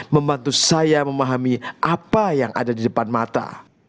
membantu saya memahami apa yang ada di depan mata